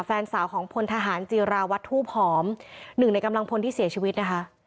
แฟนสาวของพลทหารจีราวัตรทูบหอมหนึ่งในกำลังพลที่เสียชีวิตนะคะ